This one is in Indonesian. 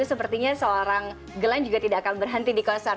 sepertinya seorang glenn juga tidak akan berhenti di konser